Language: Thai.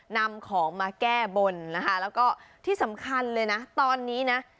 นำของมาแก้บนนะคะแล้วก็ที่สำคัญเลยนะตอนนี้นะ